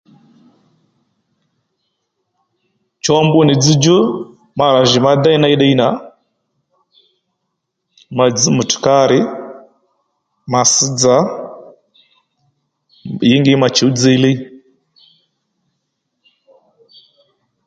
Cho mbu nì dzzdjú ma rà jì ma déy ney ddiy nà ma dzž mutukari ma sš dza ǐngí ma chǔw dziylíy